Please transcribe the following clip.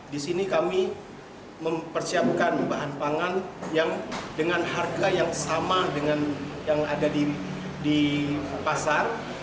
di sini kami mempersiapkan bahan pangan yang dengan harga yang sama dengan yang ada di pasar